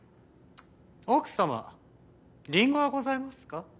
奥様リンゴはございますか？